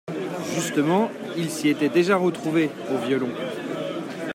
justement, il s’y était déjà retrouvé, au violon.